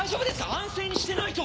安静にしてないと！